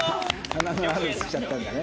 「華のある」っつっちゃったんだね。